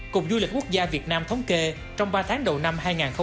cục du lịch quốc gia việt nam thống kê trong ba tháng đầu năm hai nghìn hai mươi bốn